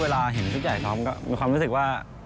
เวลาเห็นชุดใหญ่ซ้อมก็มีความรู้สึกว่า